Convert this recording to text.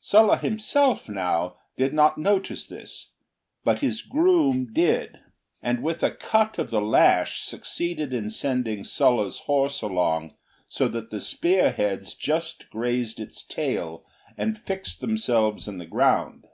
Sulla himself, now, did not notice this, but his groom did, and with a cut of the lash succeeded in sending Sulla's horse along so that the spear heads just grazed its tail and fixed themselves in the ground.